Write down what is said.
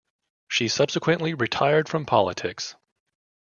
She subsequently retired from politics.